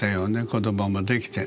子どももできて。